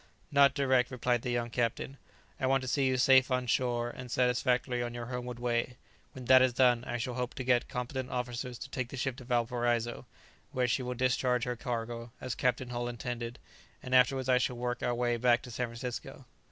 "Not direct," replied the young captain; "I want to see you safe on shore and satisfactorily on your homeward way. When that is done, I shall hope to get competent officers to take the ship to Valparaiso, where she will discharge her cargo, as Captain Hull intended; and afterwards I shall work our way back to San Francisco."